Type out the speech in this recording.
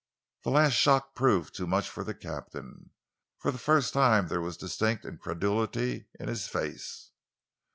The last shock proved too much for the captain. For the first time there was distinct incredulity in his face.